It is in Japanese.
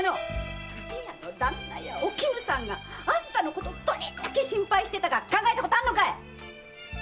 伊勢屋の旦那やお絹さんがあんたのことをどれだけ心配してたか考えたことあるのかい‼